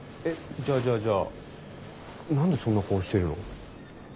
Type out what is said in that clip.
えっじゃあじゃあじゃあ何でそんな顔してるの？